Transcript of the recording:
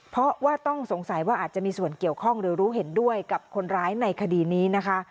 เพราะว่าต้องสงสัยว่าอาจจะมีส่วนเกี่ยวข้องหรือรู้เห็นด้วยกับคนร้ายในคดีนี้นะคะ